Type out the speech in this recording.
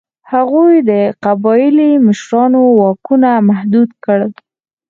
هغوی د قبایلي مشرانو واکونه محدود کړل.